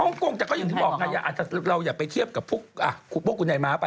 ฮ่องกงแต่ก็อย่างที่บอกเราอยากไปเทียบกับพวกคุณใหญ่ม้าไป